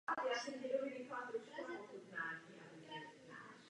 Měly by následovat ještě další dva svazky básnických textů.